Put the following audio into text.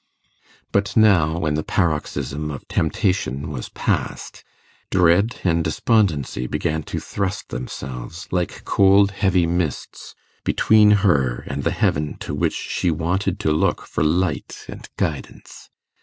But now, when the paroxysm of temptation was past, dread and despondency began to thrust themselves, like cold heavy mists, between her and the heaven to which she wanted to look for light and guidance.